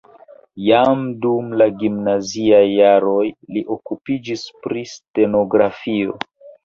Jam dum la gimnaziaj jaroj li okupiĝis pri stenografio.